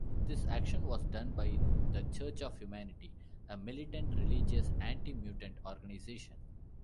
This action was done by the Church of Humanity, a militant, religious anti-mutant organization.